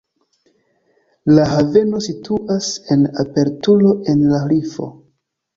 La haveno situas en aperturo en la rifo.